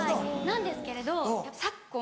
なんですけれど昨今。